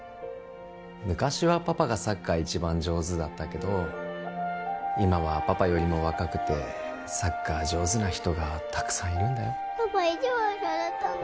昔はパパがサッカー一番上手だったけど今はパパよりも若くてサッカー上手な人がたくさんいるんだよパパいじわるされたの？